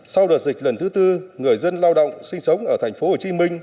sau đợt dịch lần thứ tư người dân lao động sinh sống ở thành phố hồ chí minh